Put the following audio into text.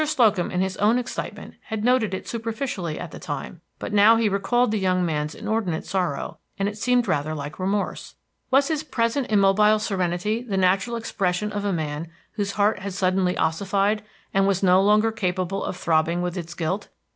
Slocum in his own excitement had noted it superficially at the time, but now he recalled the young man's inordinate sorrow, and it seemed rather like remorse. Was his present immobile serenity the natural expression of a man whose heart had suddenly ossified, and was no longer capable of throbbing with its guilt?